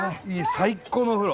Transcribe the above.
最高のお風呂！